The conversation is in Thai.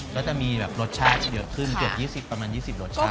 ก็จะมีแบบรสชาติเยอะขึ้นเกือบ๒๐ประมาณ๒๐รสชาติ